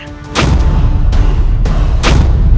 kau tidak bisa